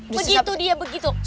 begitu dia begitu